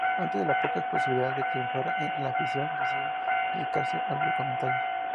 Ante las pocas posibilidades de triunfar en la ficción, deciden dedicarse a los documentales.